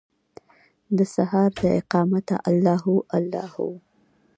دسهار داقامته الله هو، الله هو